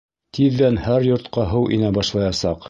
Тиҙҙән һәр йортҡа һыу инә башлаясаҡ.